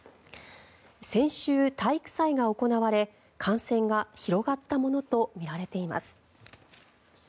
先週、体育祭が行われ感染が広がったものとみられています。